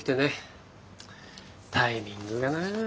タイミングがな。